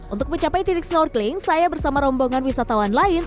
untuk mencapai titik snorkeling saya bersama rombongan wisatawan lain